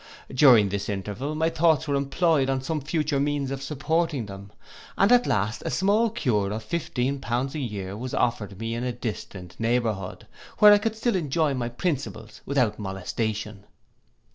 During this interval, my thoughts were employed on some future means of supporting them; and at last a small Cure of fifteen pounds a year was offered me in a distant neighbourhood, where I could still enjoy my principles without molestation.